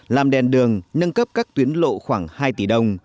làm đèn đường nâng cấp các tuyến lộ khoảng hai tỷ đồng